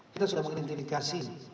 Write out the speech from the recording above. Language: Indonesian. kita sudah mungkin diindikasi